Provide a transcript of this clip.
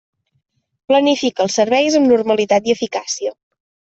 Planifica els serveis amb normalitat i eficàcia.